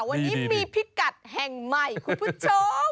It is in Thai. วันนี้มีพิกัดแห่งใหม่คุณผู้ชม